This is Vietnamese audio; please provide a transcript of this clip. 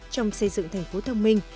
trong xây dựng thành phố thông minh